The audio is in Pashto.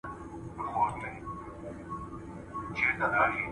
پوښتنه وکړئ چي څه باید وکړم.